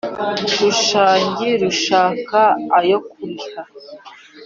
Rushangi rushaka ayo kuriha ;